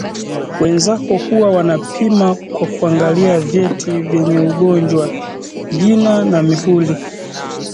Wenzako huwa wanapima kwa kuangalia vyeti vyenye ugojwa, jina na mihuri